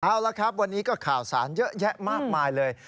เอาละครับวันนี้ก็ข่าวสารเยอะแยะมากมายเลย